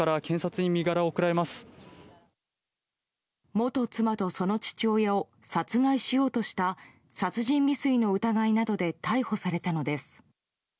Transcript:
元妻とその父親を殺害しようとした殺人未遂の疑いなどで逮捕されたのです。